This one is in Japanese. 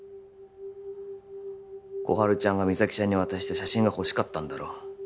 心春ちゃんが実咲ちゃんに渡した写真が欲しかったんだろ？